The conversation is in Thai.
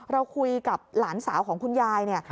เราคุยกับหลานสาวของคุณยายเนี่ย